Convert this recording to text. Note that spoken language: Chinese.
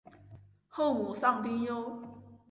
后母丧丁忧。